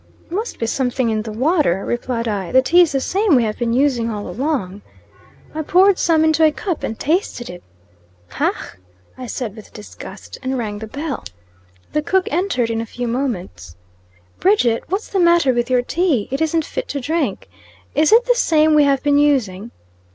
"It must be something in the water," replied I. "The tea is the same we have been using all along." I poured some into a cup and tasted it. "Pah!" I said, with disgust, and rang the bell. The cook entered in a few moments. "Bridget, what's the matter with your tea? It isn't fit to drink. Is it the same we have been using?"